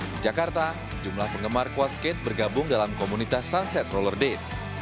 di jakarta sejumlah penggemar quad skate bergabung dalam komunitas sunset roller date